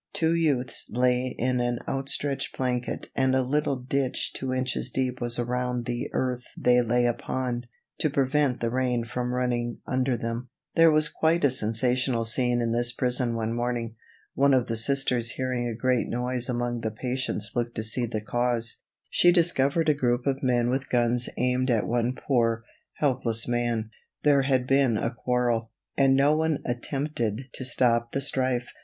Two youths lay in an outstretched blanket and a little ditch two inches deep was around the earth they lay upon, to prevent the rain from running under them. There was quite a sensational scene in this prison one morning. One of the Sisters hearing a great noise among the patients looked to see the cause. She discovered a group of men with guns aimed at one poor, helpless man. There had been a quarrel, and no one attempted to stop the strife.